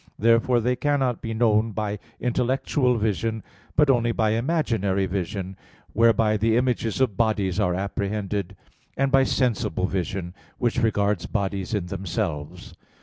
Therefore they cannot be known by intellectual vision, but only by imaginary vision, whereby the images of bodies are apprehended, and by sensible vision, which regards bodies in themselves.